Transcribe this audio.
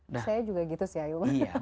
saya juga gitu